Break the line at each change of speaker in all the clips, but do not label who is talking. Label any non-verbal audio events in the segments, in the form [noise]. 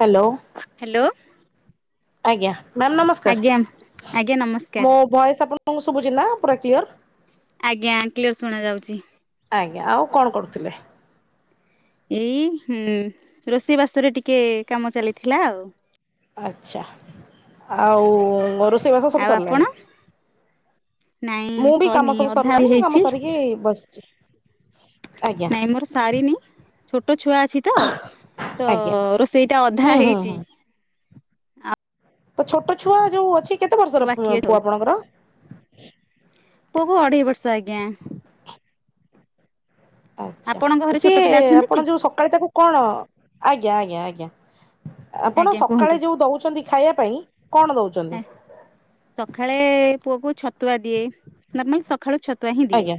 Hello.
Hello
ଆଜ୍ଞା ma'am
ଆଜ୍ଞା
ନମସ୍କାର।
ଆଜ୍ଞା ନମସ୍କାର।
ମୋ ଭଏସ୍ ଆପଣଙ୍କୁ ଶୁଭୁଛି ନା ପୁରା କ୍ଲିୟର?
ଆଜ୍ଞା କ୍ଲିୟର ଶୁଣାଯାଉଚି।
ଆଜ୍ଞା ଆଉ କଣ କରୁଥିଲେ?
ଏଇ ହିଁ ରୋଷେଇ ବାସରେ ଟିକେ କାମ ଚାଲିଥିଲା, ଆଉ!
ଆଚ୍ଛା ଆଉ ରୋଷେଇବାସ ସବୁ
ଆଉ ଆପଣ?
ସରିଲାଣି?
ନାଇଁ
ମୁଁ ବି
ସଇନି
କାମ ସବୁ
ଅଧା
ସରିଲାଣି
ହେଇଛି
କାମ ସାରିକି ବସିଚି।
ନାଇଁ ମୋର ସାରିନି, ଛୋଟ ଛୁଆ ଅଛି ତ ତ
ଆଜ୍ଞା
ରୋଷେଇଟା
ହୁଁ
ଅଧା
ହୁଁ ହୁଁ।
ହେଇଛି
ତ ଛୋଟ ଛୁଆ ଯୋଉ ଅଛି କେତେ ବର୍ଷର
ବାକି ସବୁ।
ପୁଅ ଆପଣଙ୍କର?
ପୁଅକୁ ଅଢ଼େଇ ବର୍ଷ ଆଜ୍ଞା।
ଆଛା,
ଆପଣଙ୍କ ଘରେ ଛୋଟ
ସିଏ
ପିଲା ଅଛନ୍ତି
ଆପଣ
କି?
ଯୋଉ ସକାଳେ ତାକୁ କଣ ଆଜ୍ଞା, ଆଜ୍ଞା, ଆଜ୍ଞା। ଆପଣ
ଆଜ୍ଞା କୁହନ୍ତୁ।
ସକାଳେ ଯୋଉ ଦଉଛନ୍ତି ଖାଇବା ପାଇଁ କଣ ଦଉ
ସକାଳେ ପୁଅକୁ ଛତୁଆ ଦିଏ। ନର୍ମାଲ ସକାଳୁ ଛତୁଆ ହିଁ ଦିଏ।
ଆଜ୍ଞା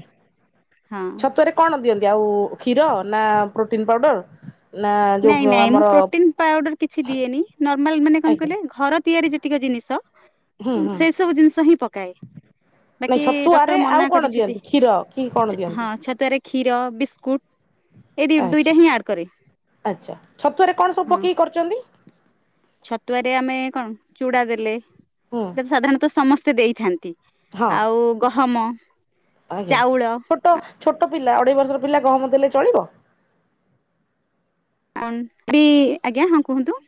ହଁ
ଛତୁଆରେ କଣ ଦିଅନ୍ତି? ଆଉ କ୍ଷୀର ନା ପ୍ରୋଟିନ୍ ପାଉଡ଼ର?
ନାଇଁ ନାଇଁ ମୁଁ ପ୍ରୋଟିନ ପାଉଡ଼ର କିଛି ଦିଏନି, ନର୍ମାଲ ମାନେ କଣ
ଆଜ୍ଞା
କହିଲେ ଘର ତିଆରି ଯେ ତିକ ଜିନିଷ
ହୁଁ ହୁଁ
ସେ ସବୁ ଜିନିଷ ହିଁ ପକାଏ।
ନାଇଁ
ବାକି
ଛତୁଆରେ
ଡ଼କ୍ଟର
ଆଉ
ମନା
କଣ
କରିଛନ୍ତି,
ଦିଅନ୍ତି କ୍ଷୀର କି କଣ ଦିଅନ୍ତି?
ହଁ ଛତୁଆରେ କ୍ଷୀର, ବିସ୍କୁଟ୍ ଏଇ ଦି
ଆଚ୍ଛା
ଦୁଇଟା ହିଁ ଆଡ଼୍ କରେ।
ଆଚ୍ଛା ଛତୁଆରେ କଣ ସବୁ
ହଁ
ପକେଇକି କରୁଚନ୍ତି।
ଛତୁଆରେ ଆମେ କଣ ଚ଼ୁଡା ଦେଲେ,
ହୁଁ
ଏଇଟା ତ ସାଧାରଣତଃ ସମସ୍ତେ ଦେଇଥାନ୍ତି।
ହଁ
ଆଉ ଗହମ,
ଆଜ୍ଞା।
ଚାଉଳ,
ଛୋଟ ଛୋଟ ପିଲା ଅଢେ଼ଇ ବର୍ଷର ପିଲା ଗହମ ଦେଲେ ଚଳିବ?
ଅଂଟି ଆଜ୍ଞା ହଁ କୁହନ୍ତୁ।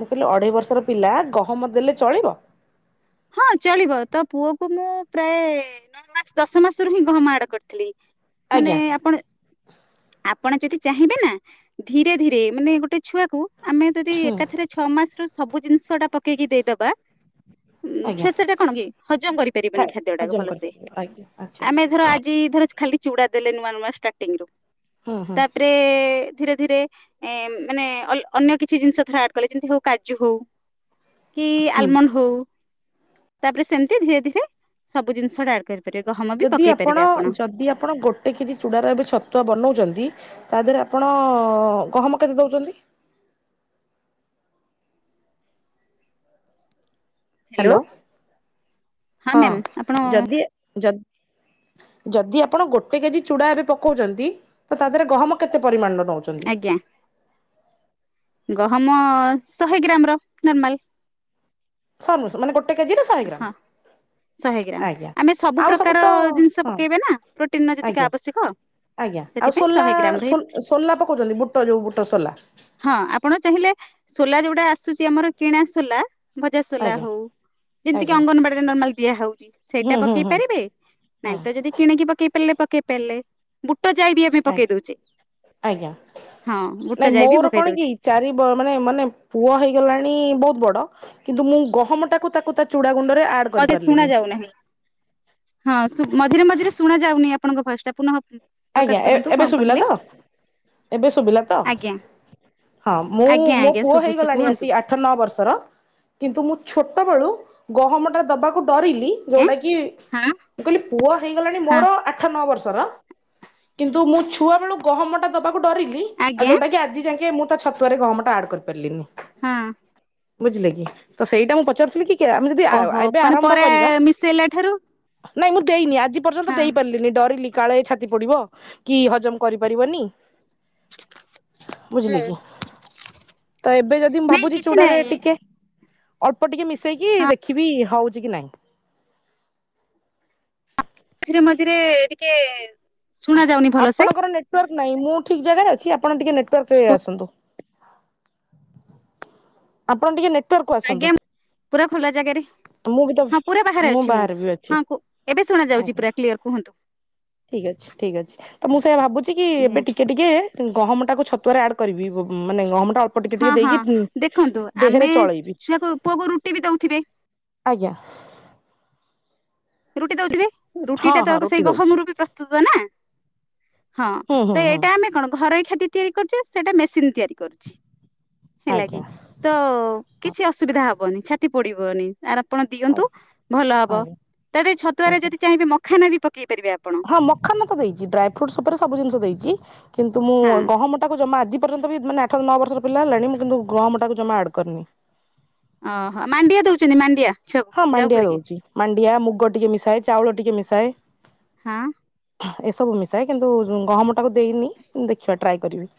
ମୁଁ କହିଲି ଅଢ଼େଇ ବର୍ଷର ପିଲା ଗହମ ଦେଲେ ଚଳିବ?
ହଁ ଚଳିବ। ତ ପୁଅକୁ ମୁଁ ପ୍ରାୟ ନ ମାସ ଦଶ ମାସରୁ ହିଁ ଗହମ ଆଡ଼ କରିଥିଲି। ମାନେ
ଆଜ୍ଞା
ଆପଣ ଆପଣ ଯଦି ଚାହିଁବେ ନା ଧୀରେ ଧୀରେ ମାନେ ଗୋଟେ ଛୁଆକୁ ଆମେ ଯଦି ଏକାଥରେ ଛଅ ମାସରୁ ସବୁ ଜିନିଷ ଟା ପକେଇକି ଦେଇଦବା ଉଁ
ଆଜ୍ଞା।
ଛୁଆ ସେ ଟା କଣ କି ହଜମ
ଖା
କରିପାରିବନି ଖାଦ୍ୟ ଟାକୁ
ହଜମ
ଭଲସେ।
କରିପାରିବେ ଆଜ୍ଞା ଆଚ୍ଛା
ଆମେ ଧର ଆଜି ଧର ଖାଲି ଚ଼ୁଡା ଦେଲେ ନୂଆ ନୂଆ ଷ୍ଟାର୍ଟିଂ ରୁ।
ହୁଁ ହୁଁ।
ରେ ଧୀରେ ଧୀରେ। ଏ ମାନେ ଅନ୍ୟ କିଛି ଜିନିଷ ଥର ଆଡ଼ କଲେ ଯେମିତି ହଉ କାଜୁ ହଉ। କି
ହୁଁ।
ଆଲମଣ୍ଡ ହଉ ତାପରେ ସେମିତି ଧୀରେ ଧୀରେ ସବୁ ଜିନିଷଟଡା
ଯଦି ଆପଣ ଯଦି ଆପଣ ଗୋଟେ ଏଟେ କିଛି ଚୂଡ଼ାର ଏବେ ଛତୁଆ ବନାଉଛନ୍ତି ତା ଦେହରେ ଆପଣ ଗହମ କେତେ ଦେଉଛନ୍ତି? ହ୍ୟାଲୋ ହଁ
ମ୍ୟାମ୍ ଆପଣ
ଯଦି ଯ ଯଦି ଆପଣ ଗୋଟେ କେଜି ଚୂଡା ଏବେ ପକଉଛନ୍ତି ତ ତା ଦେହରେ ଗହମ କେତେ ପରିମାଣ ର ନେଉ
ଆଜ୍ଞା। ଗହମ ଶହେ ଗ୍ରାମ ର ନର୍ମାଲ।
ସୁ ମାନ ଗୋେ କେଜି ନା ଶହେ
ହଁ
ଗ୍ରାମ।
ଶହେ ଗ୍ରାମ
ଆଜ୍ଞା
ଆମେ ସବୁ
ଆଉ ତ
ପ୍ରକାର ଜିନିଷ
ହଁ
ପକେଇବେ ନା ପ୍ରୋଟିନ ର ଯେତିକି
ଆଜ୍ଞା।
ଆବଶ୍ୟକ।
ଆଜ୍ଞା ଆଉ
ସେଥିପାଇଁ
ସୋଲା
ଶହେ ଗ୍ରାମ ରେ
ସୋଲା ପକାଉଛନ୍ତି ବୁଟ ଯୋଉ ବୁଟ ସୋଲା।
ହଁ ଆପଣ ଚାହିଁଲେ ସୋଲା ଯୋଉଟା ଆସୁଛି ଆମର କିଣା ସୋଲା ଭଜା ସୋଲା
ଆଜ୍ଞା
ହଉ। ଯେମିତି କିି
ଆଜ୍ଞା।
ଅଙ୍ଗନବାଡିରେ ନର୍ମାଲ ଦିଆ ହଉଛି
ହୁଁ
ସେଇଟା
ହୁଁ
ପକେଇ
ହୁଁ
ପାରିବେ
ହୁଁ
ନାଇଁ ତ ଯଦି କିଣକି ପକେଇ ପଲେ ପକେଇ ପଲେ। ବୁଟ ଯାଇ ବି ଆମେ ପକେଇ
ଆଜ୍ଞା
ଦଉଛେ।
ଆଜ୍ଞା
ହଁ
ନାଇଁ
ବୁଟ ଯାାଇ ବି
ମୋର
ପକେଇ
କଣ କି
ଦଉଛେ
ଚାରି ମାନେ ମାନେ ପୁଅ ହେଇଗଲାଣି ବହୁତ ବଡ। କିନ୍ତୁ ମୁଁ ଗହମ ଟାକୁ ତାକୁ ତା ଚୁଡା ଗୁଣ୍ଡ
ମତେ ଶୁଣା ଯାଉ ନାହିଁ। ହଁ ମଝିରେ ମଝିରେ ଶୁଣା ଯାଉନି ଆପଣଙ୍କ ଭୋଇସ ଟା ପୁନହ
ଆଜ୍ଞା ଏ ଏବେ ଶୁଭିଲା ତ। ଏବେ ଶୁଭିଲା ତ
ଆଜ୍ଞା
ହଁ ମୁଁ
ଆଜ୍ଞା
ମୋ
ଆଜ୍ଞା
ପୁଅ
ଶୁଭୁଛି
ହେଇଗଲାଣି
କୁହନ୍ତୁ
ଆସି ଆଠ ଆଠ ନଅ ବର୍ଷର କିନ୍ତୁ ମୁଁ ଛୋଟବେଳୁ ଗହମଟା ଦେବାକୁ ଡରିଲି।
ଆଁ
ଯୋଉଟା କି
ହଁ
କହିଲି ପୁଅ ହେଇଗଲାଣି
ହଁ
ମୋର ଆଠ ନଅ ବର୍ଷର। କିନ୍ତୁ ମୁଁ ଛୁଆ ବେଳୁ ଗହମଟା ଦବାକୁ ଡ଼ରିଲି ଆଉ
ଆଜ୍ଞା
ଯୋଉଟା କି ଆଜି ଯାକେ ମୁଁ ତା ଛତ ତ ପରେରେ ଗ ଗହମଟା ଆଡ଼ କରିାରିଲିନି।
ହଁ।
ବୁଝିଲେ କି ତ ସେଇଟା ମୁଁ ପଚାରୁଥିଲି କି ଆମେ ଯଦି
ଓହୋ
ଏବେ
ମାନେ
ଆରମ୍ଭ
ପରେ
କରିବା
ମିଶେଇଲା ଠାରୁ
ନାଇଁ ମୁଁ ଦେଇନି ଆଜି ପର୍ଯ୍ୟନ୍ତ
ହଁ।
ଦେଇ ପାରିଲିନି ଡରିଲି କାଳେ ଛା ବୁଡିବ କି ହଜମ କରିପାରିବନି। ବୁଝିଲେ
ହୁଁ।
କି ତ ଏବେ ଯଦି ମୁଁ
ନାଇଁ
ଭାବୁଛି
କିଛି
ଚୁଡାରେ
ନାଇଁ
ଟିକେ ଅଳ୍ପ ଟିକେ ମିଶେଇକି ଦେଖିବି ହଉଛି କି ନାଇଁ।
ମଝିରେ ମଝିରେ ଟିକେ ଶୁଣା ଯାଉନି ଭଲସେ
ଆପଣଙ୍କର ନେଟୱାର୍କ ନାହିଁ ମୁଁ ଠିକ ଜାଗାରେ ଅଛି ଆପଣ ଟିକେ ନେଟୱାର୍କ ଆସନ୍ତୁ। ଆପଣ ଟିକେ ନେ
ଆଜ୍ଞା ପୁରା ଖୋଲା ଜାଗାରେ।
ମୁଁ ବି ତ
ହଁ ପୁରା ବାହାରେ ଅଛି ମୁଁ ହଁ ଏବେ ଶୁଣ ଯାଉଛି ପୁରା କ୍ଲିଅର କୁହନ୍ତୁ।
ଠିକ୍ ଅଛି ଠିକ ଅଛି ତ ମୁଁ ସେ ଭାବୁଛି କି ଏବେ
ଆଜ୍ଞା
ଟିକେ ଏବେ ଟିକେ ଗହମଟାକୁ ଛତୁଆରେ ଆଡ଼୍ କରିବି ମାନେ ଗହମଟା ଟିକେ
ହଁ
ଟିକେ
ହଁ
ଦେଇକି
ଦେଖନ୍ତୁ
ଦେହରେ
ଆମେ
ଚଳେଇବି
ଛୁଆକୁ ପୁଅକୁ ରୁଟି ବି ଦଉଥିବେ।
ଆଜ୍ଞା।
ରୁଟି ଦଉଥିବେ ରୁଟି
ହଁ
ଟା ତ
ହଁ
ସେଇ
ରୁଟି ଦଉଛି
ଗହମରୁ ପ୍ରସ୍ତୁତ ନା ହଁ
ହୁଁ ହୁଁ
ତ
ହୁଁ
ଏଇଟା ଆମେ କଣ ଘରୋଇ ଖାଦ୍ୟ ତିଆରି କରୁଛ ସେଇଟା ମେସିନ୍ ତିଆରି କରୁଛି ହେଲା
ଆଜ୍ଞା
କିି। ତ କିଛି ଅସୁବିଧା ହବନି ଛାତି ପୋଡିବନି ଆର୍ ଆପଣ ଦିଅନ୍ତୁ
ଆଜ୍ଞା
ଭଲ ହବ।
ଆଜ୍ଞା
ତା ଦିଏରେ ଛତୁଆରେ ଯଦି ଚାହିଁବେ ମଖାନା ବି ପକେଇ ପାରିବେ ଆପଣ-
ହଁ ମଖାନା ତ ଦେଇଚି ଡ୍ରାଏ ଫୁଡ୍ସ ଉପରେ ସବୁ ଜିନିଷ ଦେଇଚି କିନ୍ତୁ ମୁଁ
ହଁ
ଗହମ ଟାକୁ ଜମା ଆଜି ପର୍ଯ୍ୟନ୍ତ ବି ମାନେ ଆଠ ନଅ ବର୍ଷ ପିଲା ହେଲାଣି ମୁଁ କିନ୍ତୁ ଗହମଟା ଜମା ଆଡ଼୍ କରିନି
ଅ ହ ମାଣ୍ଡିଆ ଦଉଚନ୍ତି ମାଣ୍ଡିଆ ଛୁଆକୁ
ହଁ
ଯାଉ
ମାଣ୍ଡିଆ
କରିକି
ଦଉଚି ମାଣ୍ଡିଆ ମୁଗ ଟିକେ ମିଶାଏ ଚାଉଳ ଟିକେ ମିଶାଏ
ହଁ
ଏସବୁ ମିଶାଏ କିନ୍ତୁ ଗହମ ଟାକୁ ଦେଇନି ଦେଖିବା ଟ୍ରାଏ କରିବି।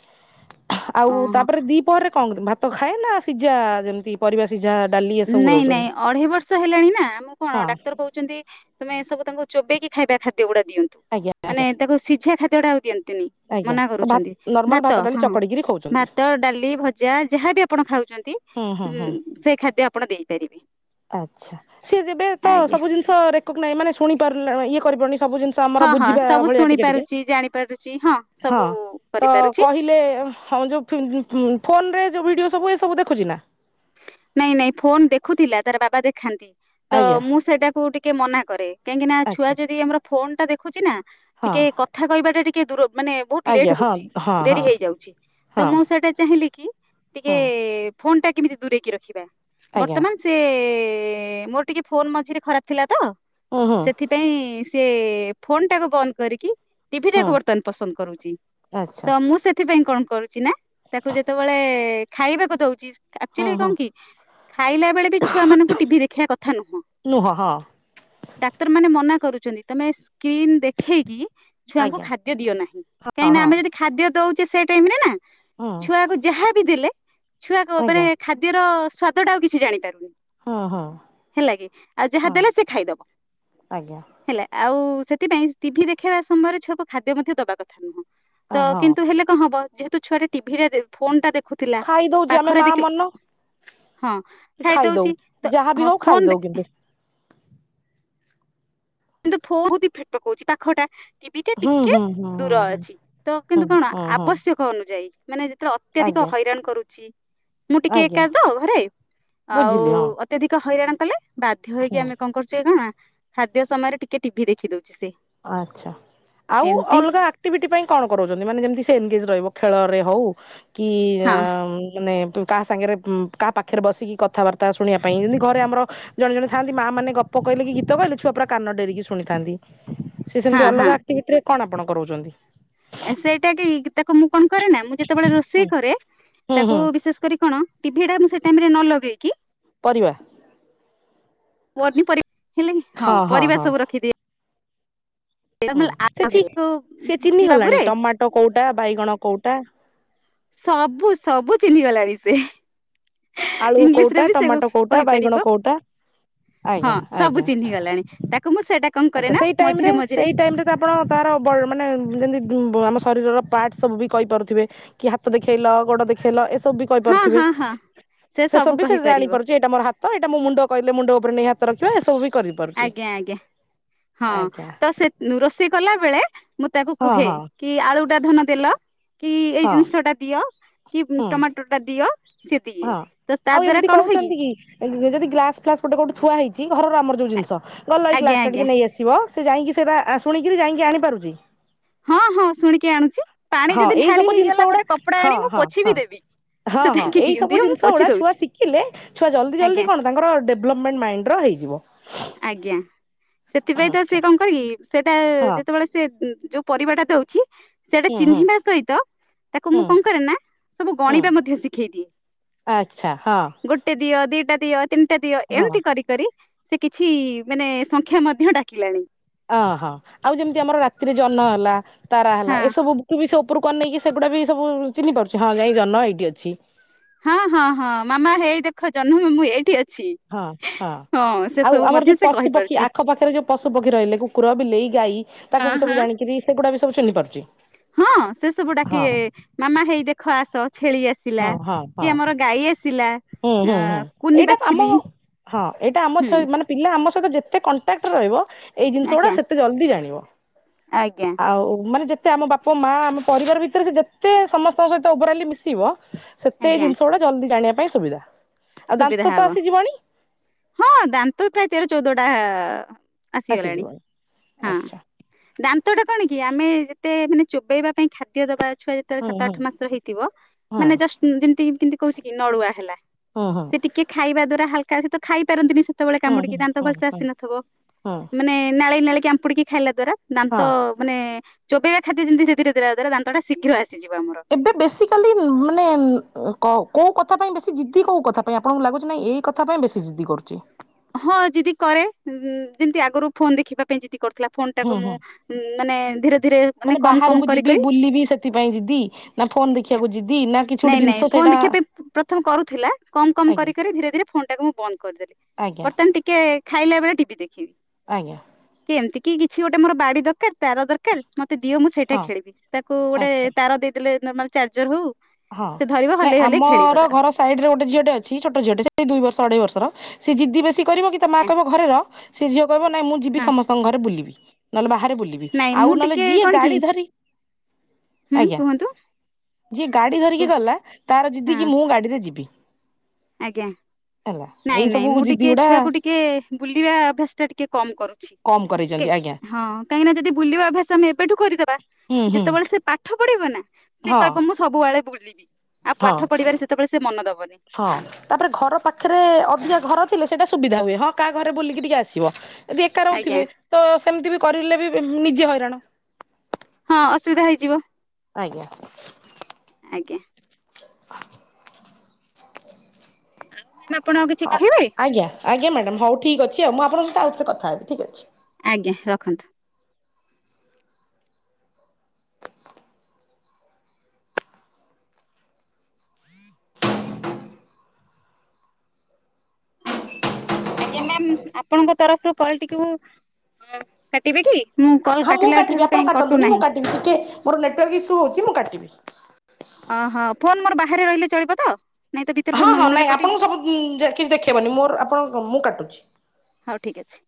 ଆଉ
ଓହୋ
ତାପରେ ଦିପହରେ କଁ ଭାତ ଖାଏ ନା ସିଝା ଯେମିତି ପରିବା ସିଝା ଡାଲି ଏ ସବୁ
ନାଇଁ ନାଇଁ
ଦଉଚନ୍ତି?
ଅଢେଇ ବର୍ଷ ହେଲାଣି ନା ଆମୁକୁ କଣ ଡାକ୍ତର କହୁଚନ୍ତି ତୁମେ ସବୁ ତାଙ୍କୁ ଚୋବେଇକି ଖାଇବା ଖାଦ୍ୟ ଗୁଡା ଦିଅନ୍ତୁ
ଆଜ୍ଞା
- ମାନେ
ଆଜ୍ଞା
ତାକୁ ସିଝା ଖାଦ୍ୟ ଟା ଆଉ ଦିଅନ୍ତିନି।
ଆଜ୍ଞା
ମନା
ତ ଭାତ
କରୁଚନ୍ତି
ନର୍ମାଲ
ଭାତ
ଡାଲି
ହଁ
ଚକଡିକିରି ଖାଉଛନ୍ତି
ଭାତ, ଡାଲି, ଭଜ ଯାହା ଯାହାବି ଆପଣ ଖାଉଚନ୍ତି
ହୁଁ ହୁଁ
ଉ
ହୁଁ।
ସେଇ ଖାଦ୍ୟ ଆପଣ ଦେଇପାରିବେ।
ଆଚ୍ଛା ସିଏ ଯେବେ ତ
ଆଜ୍ଞା
ସବୁ ଜିନିଷ ରେକଗନାଇ ମାନେ ଶୁଣି ପାରିଲ ଇଏ କରିବନି ସବୁ ଜିନିଷ - ସ ଆମର
ହଁ ହଁ
ବୁଝିବା
ସବୁ
ଭଳିଆ
ଶୁଣି
ଟିକେ ଟିକେ
ପାରୁଛି ଜାଣି ପାରୁଛି
ହଁ
ସବୁ
ତ
କରିପାରୁଛି
କହିଲେ ହଁ ଯୋଉଁ ଫୋନରେ ଯେଉଁ ଭିଡ଼ିଓ ସବୁ ଏସବୁ ଦେଖୁଚି ନା?
ନାଇଁ ନାଇଁ ଫୋନ ଦେଖୁଥିଲା ତାର ବାବା ଦେଖାନ୍ତି ତ
ଆଜ୍ଞା
ମୁଁ ସେଇଟାକୁ ଟିକେ ମନା କରେ। କାହିଁକି ନା ଛୁଆ
ଆଚ୍ଛା
ଯଦି ଆମର ଫୋନ ଟା ଦେଖୁଚି ନା
ହଁ
ଟିକେ କଥା କହିବାଟା ଟିକେ ଦୂର ମାନେ ବହୁତ
ଆଜ୍ଞା
ଲେଟ୍
ହଁ
ହଉଚି
ହଁ
ଡେରି
ହଁ
ହେଇଯାଉଚି ତ
ହଁ
ମୁଁ ସେଟା ଚାହିଁଲି କି ଟିକେ
ହଁ।
ଫୋନ ଟା କେମିତି ଦୂରେଇକି ରଖିବା
ଆଜ୍ଞା
ବର୍ତ୍ତମାନ - ସେ ମୋର ଟିକେ ଫୋନ ମଝିରେ ଖରାପ ଥିଲା ତ
ହୁଁ ହୁଁ
ସେଥି ପାଇଁ ସେ ଫୋନ ଟାକୁ ବନ୍ଦ କରିକି
ହୁଁ
ଟିଭିଟାକୁ ବର୍ତ୍ତମାନ ପସନ୍ଦ କରୁଚି ତ
ଆଚ୍ଛା
ମୁଁ ସେ ସେଥିପାଇଁ କଣ କରୁଚି ନା ତାକୁ ଯେତେବେଳେ ଖାଇବାକୁ ଦଉଚି
ହୁଁ
ଆକ୍ଚୁଆଲି
ହୁଁ
କଣ କି ଖାଇଲା ବେଳେ ବି ଛୁଆ ମାନଙ୍କୁ ଟିଭି ଦେଖେଇବା କଥା ନୁହଁ। ଡାକ୍ତରମାନେ ମନା କରୁଚନ୍ତି ତମେ ସ୍କ୍ରିିନ ଦେଖେଇକି ଛୁଆଙ୍କୁ
ଆଜ୍ଞା।
ଖାଦ୍ୟ ଦିଅ ନାହିଁ
ହଁ
କାହିଁକିନା
ହଁ
ଆମେ ଯଦି ଖାଦ୍ୟ ଦଉଚେ ସେ ଟାଇମରେ ନା
ହୁଁ
ଛୁଆକୁ ଯାହାବି ଦେଲେ ଛୁଆକୁ ମାନେ
ଆଜ୍ଞା
ଖାଦ୍ୟର ସ୍ଵାଦଟା ଆଉ କିଛି ଜାଣିପାରୁନି।
ହଁ ହଁ
ହେଲା କି ଆଉ ଯାହା
ହଁ
ଦେଲେ ସେ ଖାଇଦବ।
ଆଜ୍ଞା
ହେଲା ଆଉ ସେଥିପାଇଁ ଟିଭି ଦେଖେଇବା ସମୟରେ ଛୁଆକୁ ଖାଦ୍ୟ ମଧ୍ୟ ଦବା କଥା ନୁହଁ। ତ
ହଁ।
କିନ୍ତୁ ହେଲେ କଣ ହବ ଯେହେତୁ ଛୁଆଟା ଟିଭିରେ ଫୋନ ଟା ଦେଖୁଥିଲା
ଖାଇ ଦଉଛି ଆମେ
ପାଖରେ
ମା
ଦେଖ
ମନ
ହଁ
କି ଖାଇଦଉ
ଖାଇଦଉଚି ତ
ଯାହାବି
ହଁ
ହଉ
ଫୋନ
ଖାଇଦଉ କିନ୍ତୁ
ଦେଖ କିନ୍ତୁ ଫୋହୁତ ଇଫେଟ ପକଉଚି ପାଖଟା - ଟିଭି ଟା
ହୁଁ
ଟିକେ
ହୁଁ ହୁଁ ହୁଁ
ଦୂର
ହୁଁ
ଅଛି ତ
ହୁଁ
କିନ୍ତୁ କଣ
ହୁଁ ହୁଁ
ଆବଶ୍ୟକ ଅନୁଯାୟୀ - ମାନେ ଯେତେବେଳେ ଅତ୍ୟଧିକ
ଆଜ୍ଞା
ହଇରାଣ କରୁଚି ମୁଁ ଟିକେ ଏକା
ଆଜ୍ଞା
ତ ଘରେ ଆଉ।
ବୁଝିଲି ହଁ
ଅତ୍ୟଧିକ ହଇରାଣ କଲେ ବାଧ୍ୟ ହୋଇକି
ହୁଁ
ଆମେ କଣ କରୁଚେ ନା ସଂଧ୍ୟା ସମୟରେ ଟିକେ ଟିଭିି ଦେଖିଦଉଚି ସେ -
ଆଚ୍ଛା ଆଉ ଅଲଗା ଆକ୍ଟିଭିଟି ପାଇଁ କଣ କରଉଚନ୍ତି ମାନେ ଯେମିତି ସେ ଏନ୍ଗେଜ ରହିବ ଖେଳରେ ହଉ କି ଆ
ହଁ
ମାନେ ତୁତ୍ କାହା ସାଙ୍ଗରେ କାହା ପାଖରେ ବସିକି କଥାବାର୍ତ୍ତା ଶୁଣିବା ପାଇଁ ଯେମିତି ଘରେ ଆମର ଜଣେ ଜଣେ ଥାନ୍ତି ମା ମାନେ ଗପ କହିଲେ କି ଗୀତ କହିଲେ ଛଆ ପୁରା କାନ ଡେରିକି ଶୁଣିଥାନ୍ତି ସେ
ହଁ
ସେମିତି
ହଁ
ଅଲଗା ଆକ୍ଟିଭିଟିରେ କଣ ଆପଣ କରାଉଚନ୍ତି?
ସେଇଟା କି ତାକୁ ମୁଁ କଣ କରେ ନା ମୁଁ ଯେତେବେଳେ ରୋଷେଇ
ହୁଁ
କରେ
ହୁଁ
ତାକୁ
ହୁଁ
ବିଶେଷ କରି କଣ ଟିଭି ଟା ମୁଁ ସେ ଟାଇମ୍ ରେ ନ ଲଗେଇକି
ପରିବା
ପନୀ ପ-ହେଲେ ହଁ ପରିବା ସବୁ ରଖିଦିଏ।
ହୁଁ ସେ
ଆପ୍
ସେ
ହେଲା ତ କି
ଚି-ଚିହ୍ନିଗଲାଣି
ବାବୁରେ
ଟମାଟୋ କୋଉଟା, ବାଇଗଣ କୋଉଟା
ସବୁ ସବୁ ଚିହ୍ନି ଗଲାଣି ସେ।
ଆଳୁ
ଇଂଲିଶ ରେ
କୋଉଟା
ବି ସେ
ଟମାଟୋ କୋଉଟା ବାଇଗଣ
କହିପାରିବ।
କୋଉଟା
ହଁ
ଆଜ୍ଞା
ସବୁ
ଆଜ୍ଞା
ଚିହ୍ନି ଗଲାଣି ତାକୁ ମୁଁ ସେଟା
ଆଚ୍ଛା ସେଇ ଟାଇମ୍ ରେ ସେଇ ଟାଇମ୍ ରେ ଆପଣ ତାର ମାନେ ଯେମିତି ଆମ ଶରୀରର ପାର୍ଟସ୍ ସବୁ ବି କହିପାରୁଥିବେ। କି ହାତ ଦେଖେଇଲ ଗୋଡ ଦେଖେଇଲ ଏସବୁ
ହଁ
କହିପାରୁଥିବେ।
ହଁ ହଁ
ସେ ସବୁ ବି ସେ ଜାଣିପାରୁଛି ଏଇଟା ମୋର ହାତ ତ ଏଇଟା ମୁଁ ମୁଣ୍ଡ କହିଲେ ମୁଣ୍ଡ ଉପରେ ନେଇ ହାତ ରଖିବ ଏସବୁ ବି କରିବି।
ଆଜ୍ଞା ଆଜ୍ଞା। ହଁ ତ ସେ ରୋଷେଇ କଲା ବେଳେ ମୁଁ ତାକୁ
ହଁ
କୁହେ
ହଁ
କି ଆଳୁ ଟା ଧନ ଦେଲ, କି ଏଇ
ହଁ
ଜିନିଷ ଟା ଦିଅ କି
ହୁଁ
ଟମାଟୋ ଟା ଦିଅ
ହଁ
ସେତିିକ ତ ସ୍ ତା
ଆଉ
ଦ୍ଵାରା
ଏମିତି
କଣ ହୁଏ କି?
କହୁଛନ୍ତି ଯଦି ଗ୍ଳାସ୍ ଫ୍ଲାସ୍ ଗୋଟେ କଉଁଠି ଥୁଆଇଛି ଘର ଆମର ଯେଉଁ ଜିନିଷ ଗଲ ଏଇ
ଆଜ୍ଞା
ଗ୍ଲାସ୍ଟା
ଆଜ୍ଞା
ଟିକେ ନେଇଆସିବ। ସେ ଯାଇକି ସେରା ଶୁଣିକିରି ଯାଇକି ଆଣିପାରୁଛି।
ହଁ ହଁ ଶୁଣିକି ଆଣୁଛି। ପାଣି
ହଁ
ଯଦି
ଏଇ
ଢାଳି
ସବୁ ଜିନିଷ
ହେଇଗଲା
ଗୁଡା
ଗୋଟେ କପଡା
ହଁ
ଆଣି ମୁଁ
ହଁ
ପୋଛି
ହଁ
ବିି ଦେବି।
ହଁ
ସେ
ହଁ
ଦେଖିକି
ଏଇ ସବୁ
ଦିଅ ମୁଁ
ଜିନିଷ
ପୋଛି
ଗୁଡା ଛୁଆ
ଦଉଛି
ଶିଖିଲେ ଛୁଆ ଜଲଦି ଜଲଦି
ଆଜ୍ଞା
କଣ ତାଙ୍କର ଡେବ୍ ଲପ୍ ମାଇନ୍ ମାଇଣ୍ଡ୍ ର ହେଇଯିବ।
ଆଜ୍ଞା। ସେଥିପାଇଁ ତ ସେ
ଆଚ୍ଛା
କଣ କହିକି ସେଟା
ହଁ
ଯେତେବେଳେ ସେ ମ୍ ଯୋଉ ପରିବାଟା ଦଉଛି ସେଟା
ହୁଁ ହୁଁ
ଚିହ୍ନିବା ସହିତ ତାକୁ
ହୁଁ
ମୁଁ କଣ କରେ ନା ସବୁ
ହୁଁ
ଗଣିବା ମଧ୍ୟ ଶିଖେଇ ଦିଏ।
ଆଚ୍ଛା ହଁ।
ଟେ ଦିଅ ଦିଟା ଦିଅ ତିନିଟା ଦିଅ
ହଁ ହଁ
ଏମିତି କରି କରି ସେ କିଛି ମାନେ ସଂଖ୍ୟା ମଧ୍ୟ ଡାକିଲାଣି।
ଅହଁ ଆଉ ଯେମିତି ଆମର ରାତିରେ ଜହ୍ନ ହେଲା ତାରା ହେଲା
ହଁ
ଏସବୁ ବି ସେ ଉପରକୁ ଅନେଇକି ସେଗୁଡା ବି ସବୁ ଚିନ୍ହି ପାରୁଛିଁ ହ ଯାଇ ଜନ ଏଇି ଟି ଅଛି।
ହଁ ହଁ ହଁ, ମାମା ହେଇ ଦେଖ ଜହ୍ନ ମାମୁଁ ଏଇଠି ଅଛି।
ହଁ ହଁ।
ସେ
ଆଉ
ସବୁ
ଆମର
ମଧ୍ୟ
ଯୋଉ
ସେ
ପଶୁ ପକ୍ଷୀ
କହିପାରୁଛି
ଆଖ ପାଖରେ ଯୋଉ ପଶୁ ପକ୍ଷୀ ରହିଲେ କୁକୁର, ବିଲେଇ, ଗାଈ
ହଁ
ତାକୁ ବି
ହଁ।
ସବୁ ଜାଣିକିରି ସେଗୁଡ଼ା ବି ସବୁ୍ ଚିନ୍ହି ପାରୁଛି।
ହଁ ସେ
ହଁ
ସବୁଡାକିବେ ମାମା ହେଇ ଦେଖ ଆସ ଛେଳି ଆସ
ହଁ
ଥିଲା
ହଁ ହଁ।
କି ଆମର ଗାଈ ଆସିଲା
ହୁଁ
ଅ
ହୁଁ ହୁଁ,
କୁନି
ଏଇଟା ଆମ
ବାଛୁଲି
ହଁ ଏଇଟା ଆମ
ହୁଁ
ଚୈ ନେ ପିଲା ଆମ ସହିତ ଯେତେ କଣ୍ଟାକ୍ଟ ରେ ରହିବ ଏଇ ଜିନିଷ ଗୁଡା
ଆଜ୍ଞା।
ସେତେ ଜଲ୍ଦି ଜାଣିବ।
ଆଜ୍ଞା
ଆଉ ମାନେ ଯେତ୍ କିନ୍ତୁ ଆମ ବାପା ମା ଆମ ପରିବାର ଭିତରେ ସେ ଯେତେ ସମସ୍ତଙ୍କ ସହିତ ଓଭରାଲି ମିଶିବ ସେତେ
ଆଜ୍ଞା
ଜିନିଷ ଗୁଡା ଜଲ୍ଦି ଜାଣିବା ପାଇଁ ସୁବିଧା। ଆଉ ଦାନ୍ତ
ସୁବିଧା
ତ
ହବ।
ଆସିଯିବଣି
ହଁ ଦାନ୍ତ ପ୍ରାୟ ତେର ଚଉଦଟା ଆ ଆସିଗଲାଣି
ଆସିଯିବଣି
ହଁ।
ଆଚ୍ଛା।
ଦାନ୍ତ ଟା କଣ କି ଆମେ ଯେତେ ମାନେ ଚୋବେଇବା ପାଇଁ ଖାଦ୍ୟ ଦବା ଛୁଆ ଯେ
ହୁଁ
ସାତ
ହୁଁ।
ଆଠ ମାସର ହେଇଥିବ,
ହଁ।
ମାନେ ଜଷ୍ଟ ଯେମିତି କେମିତି କହୁଛି କି ନଳୁଆ ହେଲା
ହୁଁ ହୁଁ
ସେ ଟିକେ ଖାଇବା ଦ୍ଵାରା ହାଲ୍କା ସେ ତ ଖାଇ ପାରନ୍ତିନି ସେ ତେବେଳେ
ହୁଁ
କାମୁଡିକି ଦାନ୍ତ
ହୁଁ
ଭଲ୍ ସେ
ହୁଁ
ଆସି ନଥିବ
ହୁଁ
ମାନେ ନାଳିଇ ନାଳ କାମପୁଡିକି ଖାଇଲା ଦ୍ଵାରା
ହଁ
ଦାନ୍ତ ମାନେ ଚୋବେଇବା ଖାଦ୍ୟ ଯେମିତି ସେଥିରେ ଦେଲା ଦ୍ଵାରା ଦାନ୍ତ ଟା ଶୀଘ୍ର ଆସିଯିବ ଆମର।
ଏବେ, ବେଶୀ କାଲି ମାନେ କଉ କୋଉ କଥା ପାଇଁ ବେଶୀ ଜିଦି, କୋଉ କଥା ପାଇଁ ଆପଣଙ୍କୁ ଲାଗୁଛି, ନାଇଁ ଏଇ କଥା ତା ପାଇଁ ବେଶୀ ଜିଦି କରୁଛି।
ହଁ, ଜିଦି କରେ, ଯେମିତି ଆଗରୁ ଫୋନ୍ ଦେଖିବା ପାଇଁ ଜିଦି କରୁଥିଲା। ଫୋନ୍
ହୁଁ
ଟାକୁ
ହୁଁ
ମୁଁ ମ୍ ମାନେ ଧୀରେ ଧୀରେ, ମାନେ କମ୍ କମ୍
ବାହାରକୁ
କରି
ଯିବି
କରି
ବୁଲିବି ସେଥିପାଇଁ ଜିଦି ନା, ଫୋନ୍ ଦେଖିବାକୁ ଜିଦି ନା କିଛି
ନାଇଁ
ଗୋଟେ
ନାଇଁ,
ଜିନିଷ
ଫୋନ
ସେଇଟା
ଦେଖିବା ପାଇଁ ପ୍ରଥମ କରୁଥିଲା। କମ୍ କମ୍
ଆଜ୍ଞା
କରି କରି, ଧୀରେ ଧୀରେ ଫୋନ୍ ଟାକୁ ମୁଁ ବନ୍ଦ କରିଦେଲି।
ଆଜ୍ଞା
ବର୍ତ୍ତମାନ ଟିକେ ଖାଇଲା ବେଳେ ଟିଭି ଦେଖିବି।
ଆଜ୍ଞା।
କି ଏମିତି କି, କିଛି ଗୋଟେ ମୋର ବାଡି ଦରକାର, ତାର ଦର୍ କାର ମତେ ଦିଅ, ମୁଁ ସେଇଟା
ହଁ
ଖେଳିବି। ତାକୁ ଗୋଟେ
ଆଚ୍ଛା
ତାର ଦେଇଦେଲେ, ନର୍ମାଲ୍ ଚାର୍ଜର୍ ହଉ
ହଁ,
ସେ ଧରିବ
ନାଇଁ,
ହଲେଇ ହଲେଇ ଖେଳିବ
ଆମ-ଅର
ତାର
ଘର ସାଇଡ଼ ରେ ଗୋଟେ ଝିଅଟେ ଅଛି, ଛୋଟ ଝିଅଟେ। ସେଇ ଦୁଇ ବର୍ଷ, ଅଢେଇ ବର୍ଷର। ସେ ଜିଦି ବେଶୀ କରିବ, କି ତା ମା କହିବ ଘରେ ର ସେ ଝିଅ କହିବ, ନାଇଁ, ମୁଁ
ହଁ।
ଯିବି, ସମସ୍ତଙ୍କ ଘରେ ବୁଲିବି। ନହେଲେ ବାହାରେ ବୁଲିବି,
ନାଇଁ ମୁଁ
ଆଉ ନହେଲେ
ଟିକେ
ଯିଏ
କଣ କି
ଗାଡ଼ି ଧରି
ହୁଁ
[inaudible]
କୁହନ୍ତୁ
ଗାଡ଼ି ଧରିକି
କୁହ
ଗଲା, ତାର ଜିଦି
ହଁ
କିି ମୁଁ ଗାଡ଼ିରେ ଯିବି।
ଆଜ୍ଞା
ହେଲା,
ନାଇଁ
ଏଇ
ନାଇଁ
ସବୁ
ମୁଁ
ଯିଦି
ଟିକେ
ଗୁଡ଼ା
ଛୁଆକୁ ଟିକେ ବୁଲିବା ଅଭ୍ୟାସ୍ ଟା ଟିକେ କମ୍ କରୁଛି।
କମ
ଓକେ।
କରେଇଛନ୍ତି ଆଜ୍ଞା
ହଁ। କାହିଁକିନା, ଯଦି ବୁଲିବା ଅଭ୍ୟାସ ଆମେ ଏବେଠୁ କରିଦବା,
ହୁଁ ହୁଁ
ଯେତବେଳେ ସେ ପାଠ ପଢିବ ନା, ସେ
ହଁ
କହିବ, ମୁଁ ସୁ ସବୁଆଳେ ବୁଲିବି, ଆଉ
ହଁ
ପାଠ ପଢ଼ିବାରେ ସେତବେଳେ ସେ ମନ ଦବନି।
ହଁ, ତାପରେ ଘର ପାଖରେ-ଏ ଅଧିକା ଘର ଥିଲେ ସେଇଟା ସୁବିଧା ହୁଏ। ହଁ, କା ଘରେ ବୁଲିକି ଟିକେ ଆସିବ। ଯଦି ଏକା
ଆଜ୍ଞା
ରହୁଥିବେ, ତ ସେମିତି ବି କରିଲେ ବି ନିଜେ ହଇରାଣ।
ହଁ, ଅସୁବିଧା ହେଇଯିବ।
ଆଜ୍ଞା।
ଆଜ୍ଞା।
[inaudible]
ମୁଁ ଆପଣଙ୍କୁ କି
ହଉ, ଆଜ୍ଞା, ଆଜ୍ଞା, ମ୍ୟାଡ଼ାମ୍, ହଉ, ଠିକ୍ ଅଛି। ଆଉ ମୁଁ ଆପଣଙ୍କୁ ସହିତ ଆଉ ଥରେ କଥା ହେବି, ଠିକ୍ ଅଛି।
ଆଜ୍ଞା, ରଖନ୍ତୁ। ଆଜ୍ଞା, ମ୍ୟାମ୍ ଆପଣଙ୍କ ତରଫରୁ କଲଟିକୁ [unintelligible] ଟିଵେକି ମୁଁ କଲ୍ କାଟିଲା ଠାରୁ କାଇଁ କଟୁ ନାହିଁ?
କିନ୍ତୁ ଟିକେ ମୋର ନେଟୱାର୍କ ଇସ୍ୟୁ ହୋଉଚି, ମୁଁ କାଟିବି।
ଅହ, ଫୋନ୍ ମୋର ବାହାରେ ରହିଲେ ଚଳିବ ତ? ନାଇଁ ତ ଭିତରକୁ
ହଁ,
ନ
ହଁ,
ନେଲେ
ନାଇଁ,
କଟି
ଆପଣଙ୍କୁ ସବୁ ଉଁ ଯେ କିଛି ଦେଖେଇବନି, ମୋର ଆପଣଙ୍କ, ମୁଁ କାଟୁଛି।
ହଉ ଠିକ୍ ଅଛି।